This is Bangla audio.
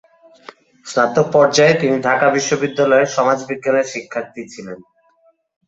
স্নাতক পর্যায়ে তিনি ঢাকা বিশ্ববিদ্যালয়ের সমাজ বিজ্ঞানের শিক্ষার্থী ছিলেন।